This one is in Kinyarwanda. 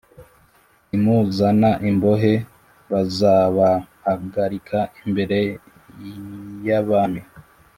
Nimuzana imbohe bazabahagarika imbere y abami